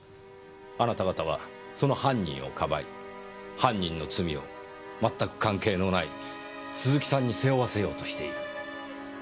あなた方はその犯人を庇い犯人の罪を全く関係のない鈴木さんに背負わせようとしている。